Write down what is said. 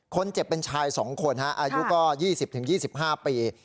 คนเจ็บเป็นชาย๒คนอายุก็๒๐๒๕ปี